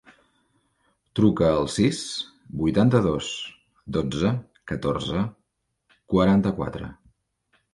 Truca al sis, vuitanta-dos, dotze, catorze, quaranta-quatre.